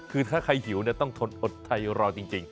คือถ้าใครหิวต้องทนอดไทยรอจริง